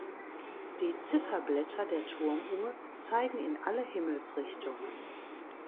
Die Zifferblätter der Turmuhr zeigen in alle Himmelsrichtungen.